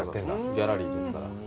ギャラリーですから。